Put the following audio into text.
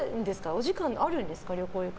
お時間あるんですか？